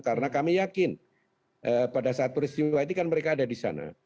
karena kami yakin pada saat peristiwa itu kan mereka ada di sana